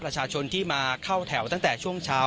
ประชาชนที่มาเข้าแถวตั้งแต่ช่วงเช้า